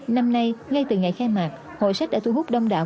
năm nay ngay từ ngày khai mạc hội sách đã thu hút đông đảo